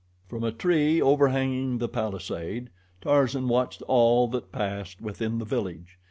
From a tree overhanging the palisade, Tarzan watched all that passed within the village.